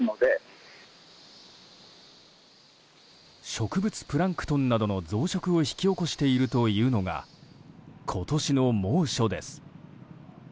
植物プランクトンなどの増殖を引き起こしているというのが今年の猛暑です。